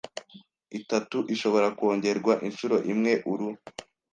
itatu ishobora kongerwa inshuro imwe Uru